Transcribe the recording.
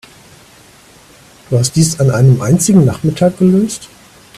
Du hast dies an einem einzigen Nachmittag gelöst?